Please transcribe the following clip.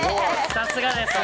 さすがですね